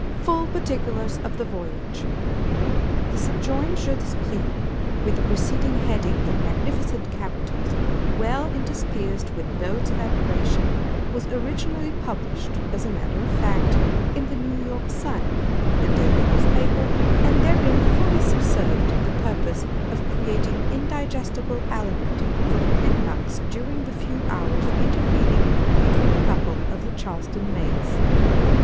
Full Particulars of the Voyage! The subjoined jeu d'esprit with the preceding heading in magnificent capitals, well interspersed with notes of admiration, was originally published, as matter of fact, in the "New York Sun," a daily newspaper, and therein fully subserved the purpose of creating indigestible aliment for the quidnuncs during the few hours intervening between a couple of the Charleston mails.